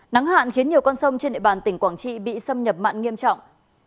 nắng hạn khiến nhiều con sông trên địa bàn tỉnh quảng trị bị xâm nhập mặn nghiêm trọng